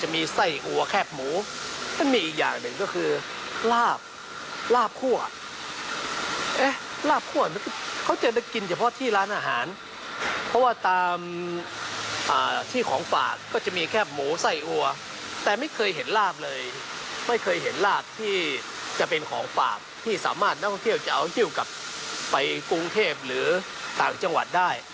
ไม่เคยเห็นลาบที่จะเป็นของฝากที่สามารถนักท่องเที่ยวจะเอาหิ้วกลับไปกรุงเทพหรือต่างจังหวัดได้